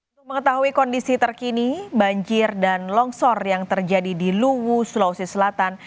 untuk mengetahui kondisi terkini banjir dan longsor yang terjadi di luwu sulawesi selatan